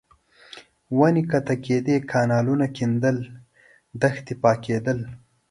ونې قطع کېدې، کانالونه کېندل، دښتې پاکېدل.